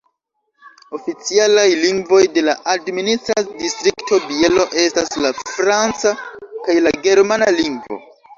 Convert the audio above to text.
Oficialaj lingvoj de la administra distrikto Bielo estas la franca kaj la germana lingvo.